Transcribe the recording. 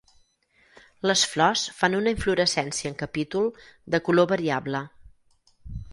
Les flors fan una inflorescència en capítol de color variable.